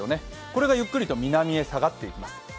これがゆっくりと南へ下がっています。